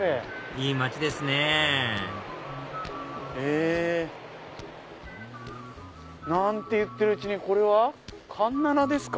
いい街ですねへぇ。なんて言ってるうちにこれは環七ですか。